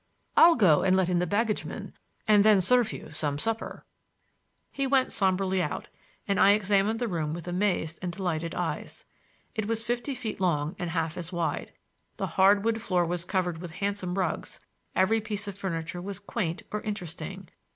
I'll go and let in the baggageman and then serve you some supper." He went somberly out and I examined the room with amazed and delighted eyes. It was fifty feet long and half as wide. The hard wood floor was covered with handsome rugs; every piece of furniture was quaint or interesting.